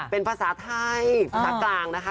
เป็นภาษาไทยภาษากลางนะคะ